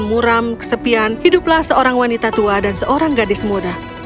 muram kesepian hiduplah seorang wanita tua dan seorang gadis muda